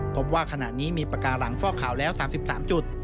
พบว่าขณะนี้มีปากกาหลังฟอกขาวแล้ว๓๓จุด